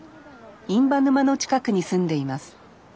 印旛沼の近くに住んでいます。